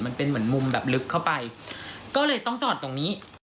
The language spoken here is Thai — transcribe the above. มันเป็นเหมือนมุมแบบลึกเข้าไปก็เลยต้องจอดตรงนี้